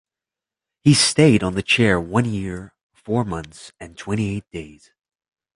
He stayed on the Chair one year, four months and twenty-eight days.